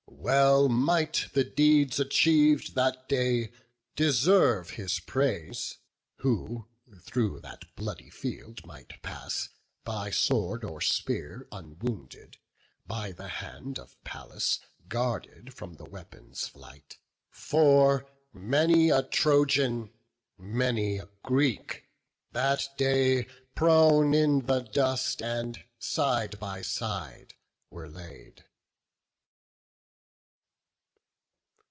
Well might the deeds achieved that day deserve His praise, who through that bloody field might pass By sword or spear unwounded, by the hand Of Pallas guarded from the weapon's flight; For many a Trojan, many a Greek, that day Prone in the dust, and side by side, were laid.